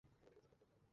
একেবারে চখাম না?